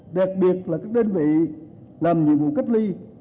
đặc biệt là các đơn vị làm nhiệm vụ cách ly